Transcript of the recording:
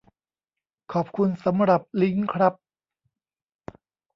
ขอบคุณสำหรับลิงก์ครับ